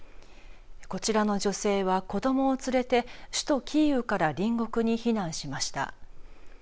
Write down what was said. こちらの女性は子どもを連れて首都キーウから隣国に避難しました。